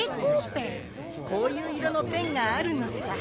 こういう色のペンがあるのさ。